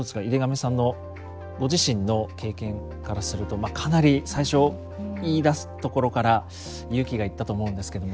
井手上さんのご自身の経験からするとかなり最初言いだすところから勇気がいったと思うんですけども。